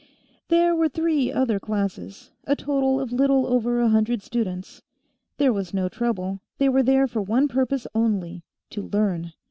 There were three other classes, a total of little over a hundred students. There was no trouble; they were there for one purpose only to learn.